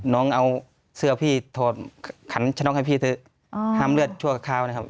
น้องเอาเสื้อพี่ถอดขันชะน็อกให้พี่เถอะห้ามเลือดชั่วคราวนะครับ